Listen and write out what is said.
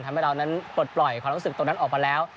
ทำให้เรานั้นปลดปล่อยความรู้สึกตรงนั้นออกมาแล้ว